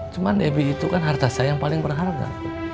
cuman debbie itu kan harta saya yang paling berharga